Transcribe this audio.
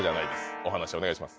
お話お願いします。